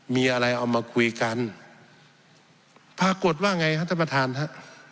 มีอะไรเอามาคุยกันปรากฏว่าไงฮะท่านประธานฮะ